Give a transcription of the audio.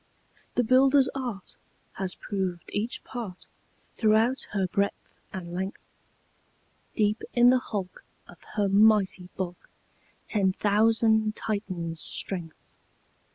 "The builder's art Has proved each part Throughout her breadth and length; Deep in the hulk, Of her mighty bulk, Ten thousand Titans' strength."